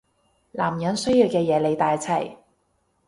男人需要嘅嘢你帶齊